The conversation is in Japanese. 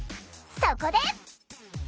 そこで！